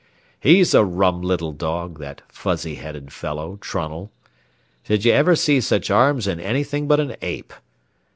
He's a rum little dog, that fuzzy headed fellow, Trunnell. Did ye ever see sech arms in anything but an ape?